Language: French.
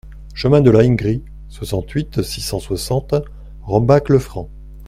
Chemin de la Hingrie, soixante-huit, six cent soixante Rombach-le-Franc